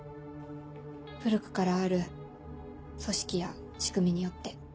古くからある組織や仕組みによって。